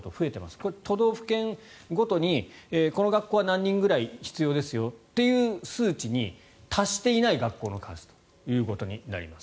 これ、都道府県ごとにこの学校は何人ぐらい必要ですよという数値に達していない学校の数となります。